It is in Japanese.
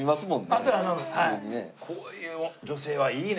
こういう女性はいいね。